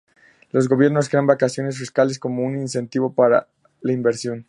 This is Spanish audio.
Los gobiernos crean vacaciones fiscales como un incentivo para la inversión.